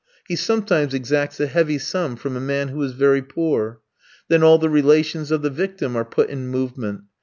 He sometimes exacts a heavy sum from a man who is very poor. Then all the relations of the victim are put in movement.